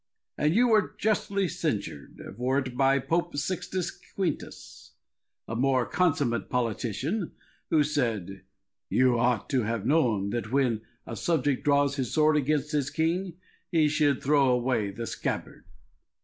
And you were justly censured for it by Pope Sixtus Quintus, a more consummate politician, who said, "You ought to have known that when a subject draws his sword against his king he should throw away the scabbard."